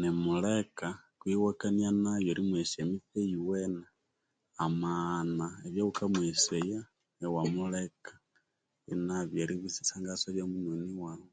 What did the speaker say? Nimuleka iwakania nayo erimweghesya emitse eyiwene amaghana ebyawukamweghesaya iwamuleka inaghana eribya isyangathasyabya munyoni wawu.